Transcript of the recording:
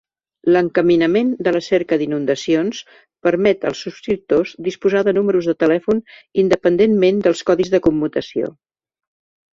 L'encaminament de la cerca d'inundacions permet als subscriptors disposar de números de telèfon independentment dels codis de commutació.